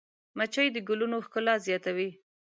مچمچۍ د ګلونو ښکلا زیاتوي